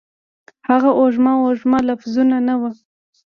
هغه وږمه، وږمه لفظونه ، نه وه